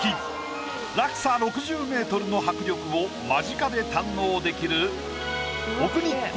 落差６０メートルの迫力を間近で堪能できる。